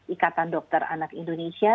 ikatan dokter anak indonesia